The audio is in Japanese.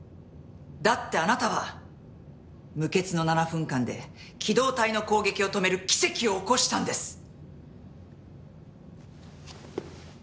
だってあなたは無血の７分間で機動隊の攻撃を止める奇跡を起こしたんです！